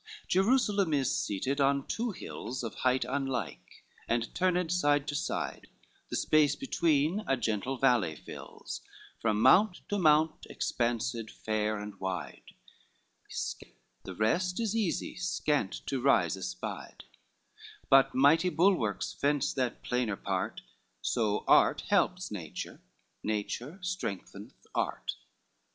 LV Hierusalem is seated on two hills Of height unlike, and turned side to side, The space between, a gentle valley fills, From mount to mount expansed fair and wide. Three sides are sure imbarred with crags and hills, The rest is easy, scant to rise espied: But mighty bulwarks fence that plainer part, So art helps nature, nature strengtheneth art.